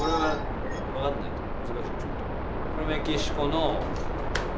これメキシコの。